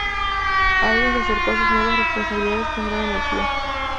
Hagen se acercó a sus nuevas responsabilidades con gran energía.